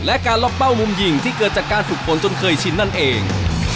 และการล็อกเป้ามุมหญิงที่เกิดจากการฝึกฝนจนเคยชินนั่นเอง